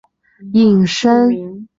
引申为无端招惹灾祸。